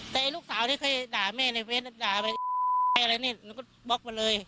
แต่ลูกสาวที่เคยด่าแม่ในเฟสด่าไปอะไรนี่หนูก็บล็อกมาเลย